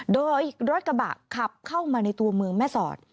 โดยรถกระบะขับเข้ามาในตัวเมืองแม่สอด